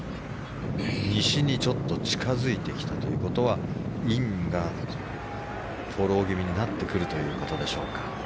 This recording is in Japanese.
西にちょっと近づいてきたということはインがフォロー気味になってくるということでしょうか。